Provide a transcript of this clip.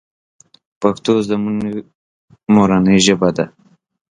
پښتو زمونږ مورنۍ ژبه ده.